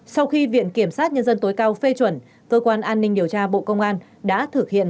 sau khi viện kiểm sát nhân dân tối cao phê chuẩn cơ quan an ninh điều tra bộ công an đã thực hiện